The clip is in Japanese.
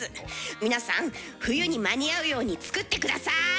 皆さん冬に間に合うように作って下さい！